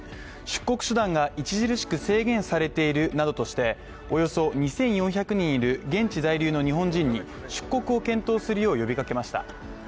出国手段が著しく制限されているなどとしておよそ２４００人いる現地在留の日本人に出国を検討するよう呼びかけました。